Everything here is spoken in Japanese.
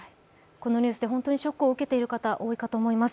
このニュースで本当にショックを受けている方多いかと思います。